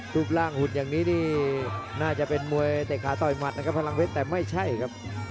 รูปร่างหุ่นอย่างนี้นี่น่าจะเป็นมวยเตะขาต่อยหมัดนะครับพลังเพชรแต่ไม่ใช่ครับ